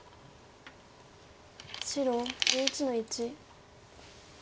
白１１の一。